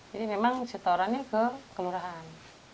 memang setorannya ke kelurahan